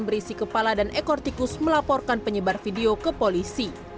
berisi kepala dan ekor tikus melaporkan penyebar video ke polisi